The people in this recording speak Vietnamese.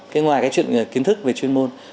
cái ngoài cái chuyện kiến thức về chuyên môn